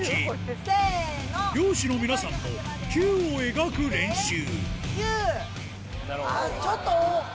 漁師の皆さんもＱを描く練習イッテＱ！